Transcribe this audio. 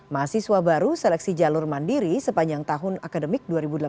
mahasiswa baru seleksi jalur mandiri sepanjang tahun akademik dua ribu delapan belas dua ribu dua puluh dua